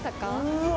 うわ！